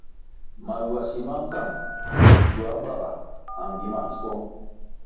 Maywasi ma nkang gioa baga a mbi ma nschuong.